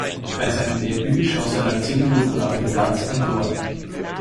Bei seinem Debüt schoss er nach zehn Minuten auf dem Platz ein Tor.